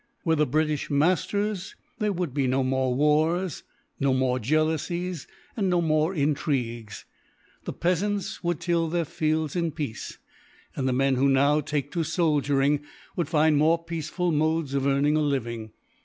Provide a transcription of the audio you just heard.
Were the British masters, there would be no more wars, no more jealousies, and no more intrigues; the peasants would till their fields in peace, and the men who now take to soldiering would find more peaceful modes of earning a living."